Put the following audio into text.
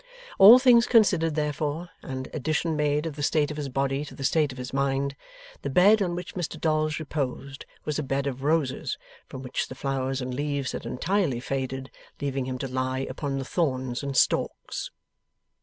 All things considered therefore, and addition made of the state of his body to the state of his mind, the bed on which Mr Dolls reposed was a bed of roses from which the flowers and leaves had entirely faded, leaving him to lie upon the thorns and stalks.